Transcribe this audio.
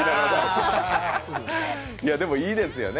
でも、いいですよね。